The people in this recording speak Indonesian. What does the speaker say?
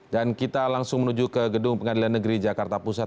dan kita langsung menuju ke gedung pengadilan negeri jakarta pusat